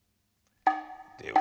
では。